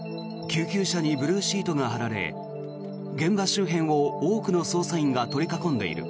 救急車にブルーシートが張られ現場周辺を多くの捜査員が取り囲んでいる。